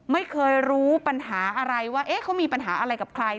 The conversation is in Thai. ไม่เคยรู้ปัญหาอะไรว่าเขามีปัญหาอะไรกับใคร